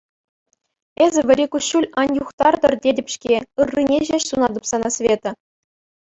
Эсӗ вӗри куҫҫуль ан юхтартӑр тетӗп-ҫке, ыррине ҫеҫ сунатӑп сана, Света.